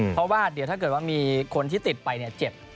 เพราะว่าถ้ามีคนที่ติดไปเจ็บ